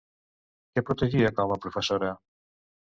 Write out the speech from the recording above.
Què protegia com a professora?